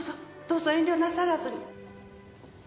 どうぞ遠慮なさらずに。